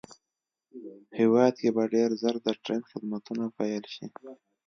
هېواد کې به ډېر زر د ټرېن خدمتونه پېل شي